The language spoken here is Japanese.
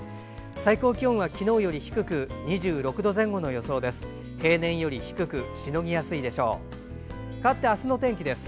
最高気温は昨日より低く２６度前後の予想です。